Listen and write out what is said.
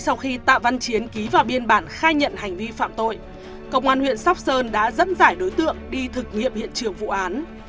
sau khi tạ văn chiến ký vào biên bản khai nhận hành vi phạm tội công an huyện sóc sơn đã dẫn dải đối tượng đi thực nghiệm hiện trường vụ án